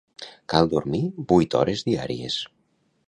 Cal dormir vuit hores diàries.